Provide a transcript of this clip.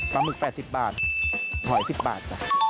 ปลาหมึก๘๐บาทหอย๑๐บาท